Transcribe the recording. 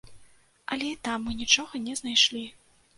Але і там мы нічога не знайшлі.